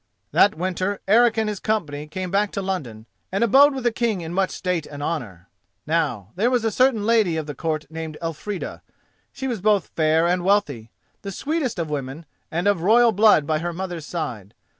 That winter Eric and his company came back to London, and abode with the King in much state and honour. Now, there was a certain lady of the court named Elfrida. She was both fair and wealthy, the sweetest of women, and of royal blood by her mother's side.